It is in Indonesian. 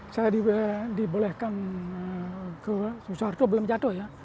saya dibolehkan ke suharto belum jatuh ya